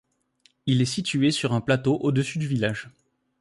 Il est situé sur un plateau, au-dessus du village.